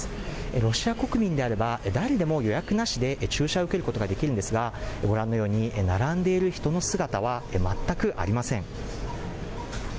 ロシア国民であれば誰でも予約なしで注射を受けることができるんですがご覧のように並んでいる人の姿は全くありません。